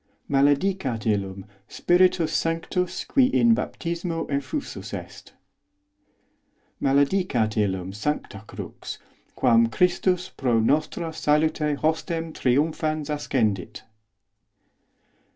Maledicat os illum Spiritus Sanctus qui in baptismo ef os fusus est. Maledicat illum sancta crux, quam Christus pro nostrâ salute hostem triumphans ascendit.